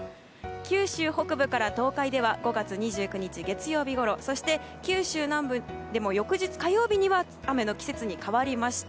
九州北部から東海では５月２９日月曜日ごろそして九州南部でも翌日、火曜日には雨の季節に変わりました。